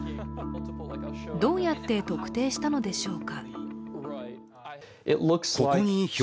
どうやって特定したのでしょうか。